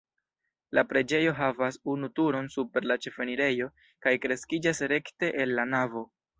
La preĝejo havas unu turon super la ĉefenirejo kaj kreskiĝas rekte el la navo.